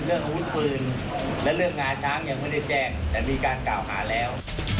บนเรื่องฮุทพืชและเรื่องงานช้างยังไม่ได้แจ้งแต่มีการก้าวหาแล้ว